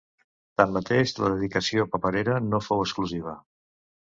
Tanmateix, la dedicació paperera no fou exclusiva.